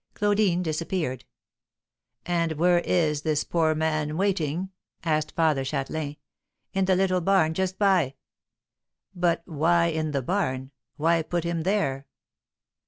Claudine disappeared. "And where is this poor man waiting?" asked Father Châtelain. "In the little barn just by." "But why in the barn? why put him there?"